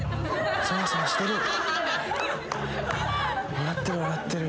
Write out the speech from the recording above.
笑ってる笑ってる。